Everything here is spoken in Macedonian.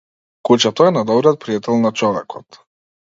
Кучето е најдобриот пријател на човекот.